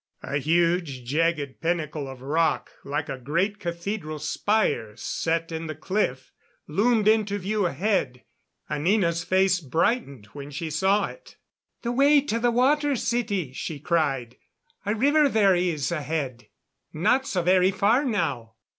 A huge, jagged pinnacle of rock, like a great cathedral spire set in the cliff, loomed into view ahead. Anina's face brightened, when she saw it. "The way to the Water City," she cried. "A river there is ahead. Not so very far now."